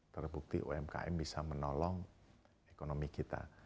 terbukti umkm bisa menolong ekonomi kita